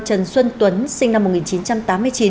trần xuân tuấn sinh năm một nghìn chín trăm tám mươi chín